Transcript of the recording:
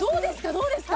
どうですか？